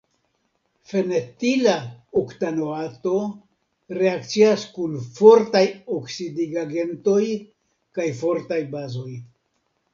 Fenetila oktanoato reakcias kun fortaj oksidigagentoj kaj fortaj bazoj.